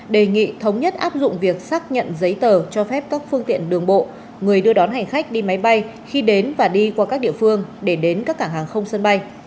đề nghị thống nhất áp dụng việc xác nhận giấy tờ cho phép các phương tiện đường bộ người đưa đón hành khách đi máy bay khi đến và đi qua các địa phương để đến các cảng hàng không sân bay